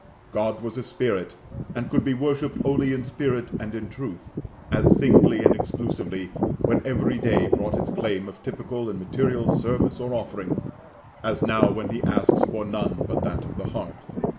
God was a spirit, and could be worshipped only in spirit and in truth, as singly and exclusively when every day brought its claim of typical and material service or offering, as now when He asks for none but that of the heart.